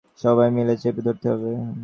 সবাই মিলে চেপে ধরতে হবে।